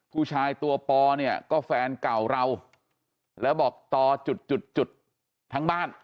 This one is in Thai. ผู้ชายตัวปอเนี่ยก็แฟนเก่าเราแล้วบอกต่อจุดจุดทั้งบ้าน